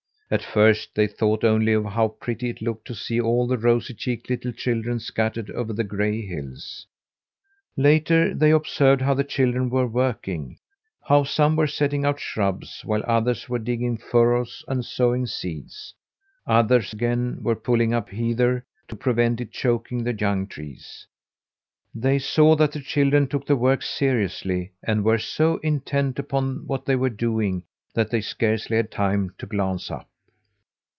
At first they thought only of how pretty it looked to see all the rosy cheeked little children scattered over the gray hills. Later, they observed how the children were working how some were setting out shrubs, while others were digging furrows and sowing seeds. Others again were pulling up heather to prevent its choking the young trees. They saw that the children took the work seriously and were so intent upon what they were doing that they scarcely had time to glance up.